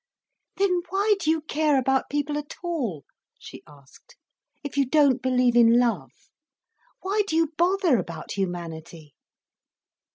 "Then why do you care about people at all?" she asked, "if you don't believe in love? Why do you bother about humanity?"